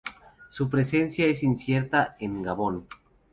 Su presencia es incierta en Gabón.